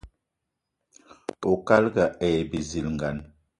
Oukalga aye bizilgan.